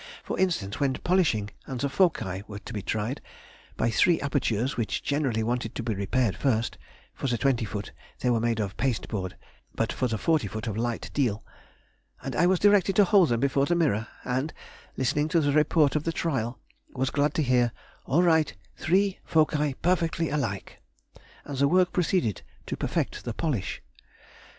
For instance, when polishing and the foci were to be tried, by three apertures, which generally wanted to be repaired first; (for the twenty foot they were made of pasteboard, but for the forty foot of light deal) and I was directed to hold them before the mirror, and, listening to the report of the trial, was glad to hear "All right, three foci perfectly alike!" and the work proceeded to perfect the polish.